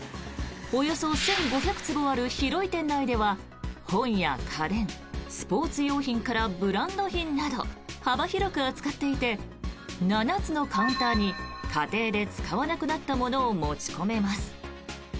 およそ１５００坪ある広い店内では本や家電、スポーツ用品からブランド品など幅広く扱っていて７つのカウンターに家庭で使わなくなったものを持ち込めます。